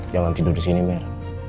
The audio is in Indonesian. jangan tidur disini mir